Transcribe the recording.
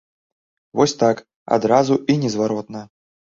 Вось так, адразу і незваротна.